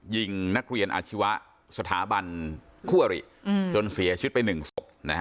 ยิงนักเรียนอาชีวะสถาบันคั่วริจนเสียชิดไปหนึ่งศกนะฮะ